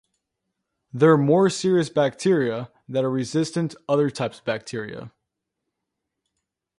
There are more serious bacteria that are resistant to other types of bacteria.